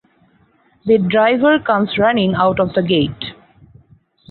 The driver comes running out of the gate.